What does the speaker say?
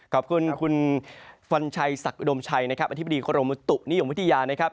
ขอบคุณคุณฟันไชยศักดมชัยนะครับอธิบดีโครมทุนิยมวิทยานะครับ